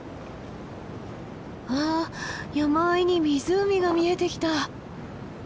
あっ山あいに湖が見えてきた。